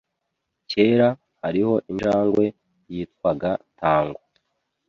Kera, hariho injangwe yitwaga Tango.